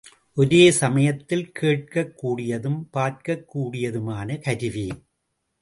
ஒரே சமயத்தில் கேட்கக் கூடியதும் பார்க்கக் கூடியதுமான கருவி.